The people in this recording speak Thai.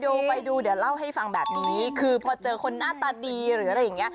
โอ้โฮเดี๋ยวเล่าให้ฟังแบบนี้แล้วกันคุณผู้ชม